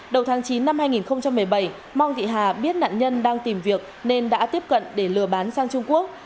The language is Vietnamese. đầu tháng chín năm hai nghìn một mươi bảy mong thị hà biết nạn nhân đang tìm việc nên đã tiếp cận để lừa bán sang trung quốc